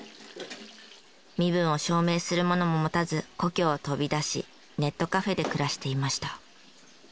身分を証明するものも持たず故郷を飛び出しネットカフェで暮らしていました。